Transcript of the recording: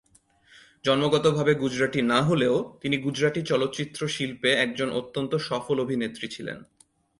জন্মগতভাবে গুজরাটি না হলেও, তিনি গুজরাটি চলচ্চিত্র শিল্পে একজন অত্যন্ত সফল অভিনেত্রী ছিলেন।